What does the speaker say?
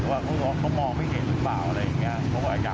ว่าเขามองไม่เห็นหรือเปล่าอะไรอย่างนี้เพราะว่าอากาศ